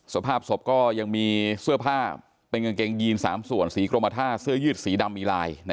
สภาพศพก็ยังมีเสื้อผ้าเป็นกางเกงยีน๓ส่วนสีกรมท่าเสื้อยืดสีดำมีลาย